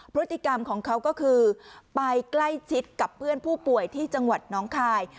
พฤติกรรมของเขาก็คือไปใกล้ชิดกับเพื่อนผู้ป่วยที่จังหวัดน้องคาย